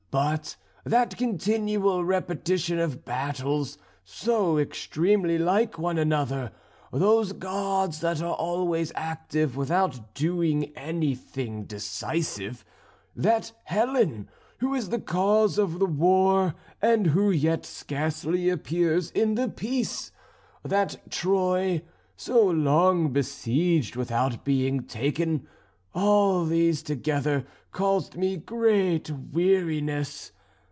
But that continual repetition of battles, so extremely like one another; those gods that are always active without doing anything decisive; that Helen who is the cause of the war, and who yet scarcely appears in the piece; that Troy, so long besieged without being taken; all these together caused me great weariness.